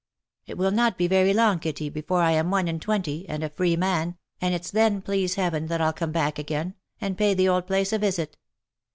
" It will not be very long, Kitty, before I am one and twenty, and a free man, and it's then, please Heaven, that I'll come back again, and pay the old place a visit.